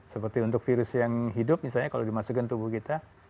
seperti untuk virus yang hidup misalnya kalau dimasukkan tubuh kita